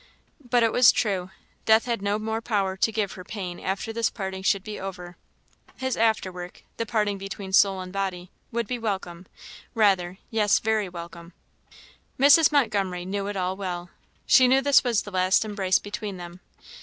But it was true. Death had no more power to give her pain after this parting should be over. His after work the parting between soul and body would be welcome, rather; yes, very welcome. Mrs. Montgomery knew it all well. She knew this was the last embrace between them.